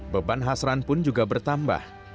beban hasran pun juga bertambah